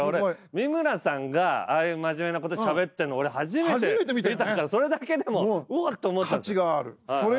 三村さんがああいう真面目なことしゃべってるの俺初めて見たからそれだけでも「おっ」と思っちゃった。